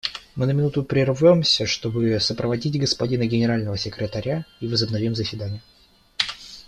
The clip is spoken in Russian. Мы на минуту прервемся, чтобы сопроводить господина Генерального секретаря, и возобновим заседание.